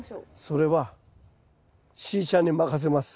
それはしーちゃんに任せます。